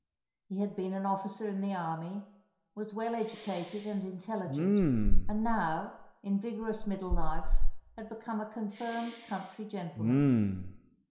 He had been an officer in the army, was well educated and intelligent, and now, in vigorous middle life, had become a confirmed country gentleman.